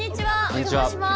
お邪魔します。